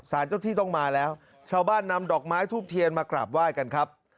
เจ้าที่ต้องมาแล้วชาวบ้านนำดอกไม้ทูบเทียนมากราบไหว้กันครับ